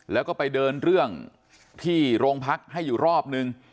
แล้วก็ไปเดินเรื่องที่โรงพักให้อยู่รอบนึง